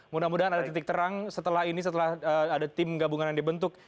mudah mudahan ada titik terang setelah ini setelah ada tim gabungan yang dibentuk